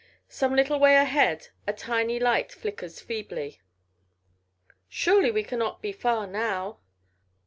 Some little way ahead a tiny light flickers feebly. "Surely we cannot be far now."